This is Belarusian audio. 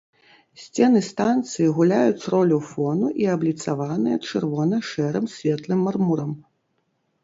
Сцены станцыі гуляюць ролю фону і абліцаваныя чырвона-шэрым светлым мармурам.